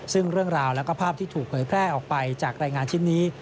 ซึ่งเรื่องราวแล้วก็ภาพที่ถูกเผยแพร่ออกไปจากรายงานชิ้นนี้